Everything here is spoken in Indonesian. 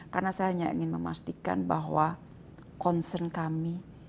karena saya hanya ingin memastikan bahwa concern kami